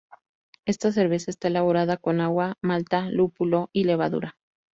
Esta cerveza está elaborada con agua, malta, lúpulo y levadura.